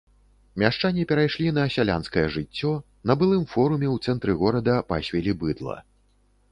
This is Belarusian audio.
Мяшчане перайшлі на сялянскае жыццё, на былым форуме ў цэнтры горада пасвілі быдла.